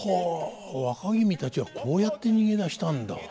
はあ若君たちはこうやって逃げ出したんだ。